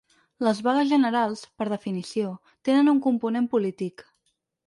Les vagues generals, per definició, tenen un component polític.